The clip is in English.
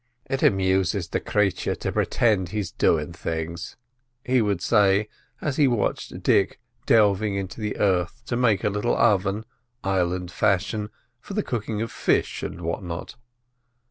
"It amuses the craythur to pritind he's doing things," he would say, as he watched Dick delving in the earth to make a little oven—island fashion—for the cooking of fish or what not.